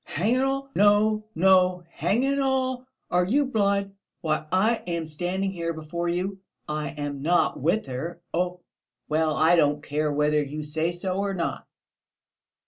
"Hang it all! No, no, hang it all! Are you blind? Why, I am standing here before you, I am not with her. Oh, well! I don't care, whether you say so or not!"